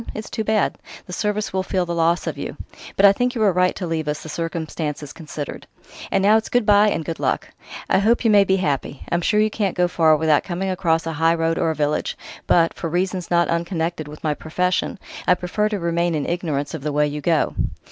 It's too bad: the Service will feel the loss of you. But I think you were right to leave us, the circumstances considered.... And now it's good bye and good luck! I hope you may be happy.... I'm sure you can't go far without coming across a highroad or a village; but for reasons not unconnected with my profession I prefer to remain in ignorance of the way you go."